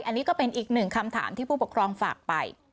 อันนี้ก็เป็นอีกหนึ่งคำถามที่ผู้ปกครองฝากไป